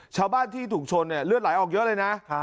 ชาวบ้านที่ถูกชนเนี่ยเลือดไหลออกเยอะเลยนะ